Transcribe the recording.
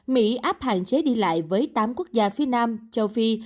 mỹ áp hạn chế đi lại với tám quốc gia phía nam châu phi